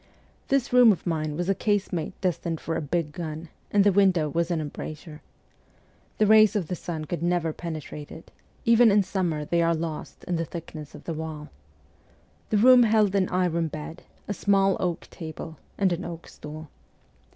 This room of mine was a casemate destined for a big gun, and the window was an embrasure. The rays of the sun could never penetrate it ; even in summer they are lost in the thickness of the wall. The room held an iron bed, a small oak table, and an oak stool.